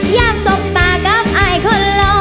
ย่ามส้มตากลับอายคนนล่ะ